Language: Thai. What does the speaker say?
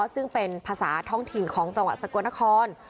ซึ่งเป็นภาษาท้องถิ่นของจังหวัดสกลนคร